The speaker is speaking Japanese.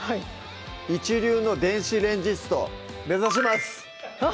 一流の電子レンジスト目指します！